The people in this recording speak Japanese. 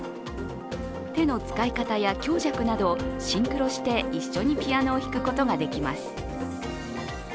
手の使い方や強弱などをシンクロして一緒にピアノを弾くことができます。